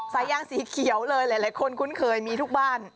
สายยางสีเขียวเลยหลายคนคุ้นเคยมีทุกบ้าน